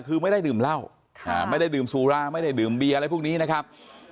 คือไม่ได้ดื่มเหล้าไม่ได้ดื่มสุราไม่ได้ดื่มเบียร์อะไรพวกนี้นะครับ